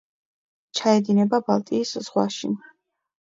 ჩაედინება ბალტიის ზღვაში.